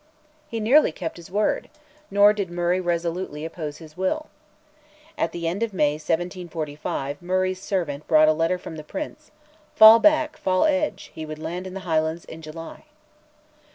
He nearly kept his word; nor did Murray resolutely oppose his will. At the end of May 1745 Murray's servant brought a letter from the Prince; "fall back, fall edge," he would land in the Highlands in July.